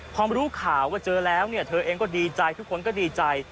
พอรู้ข่าวว่าเจอแล้วเนี่ยเธอเองก็ดีใจทุกคนก็ดีใจ